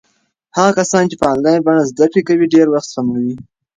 هغه کسان چې په انلاین بڼه زده کړې کوي ډېر وخت سپموي.